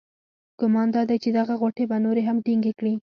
ګمان دادی چې دغه غوټې به نورې هم ټینګې کړي.